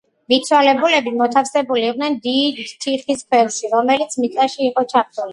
მიცვალებულები მოთავსებული იყვნენ დიდ თიხის ქვევრში, რომელიც მიწაში იყო ჩაფლული.